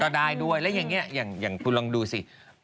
ได้ด้วยแล้วอย่างนี้อย่างคุณลองดูสิ